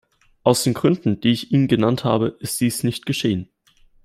Aus den Gründen, die ich Ihnen genannt habe, ist dies nicht geschehen.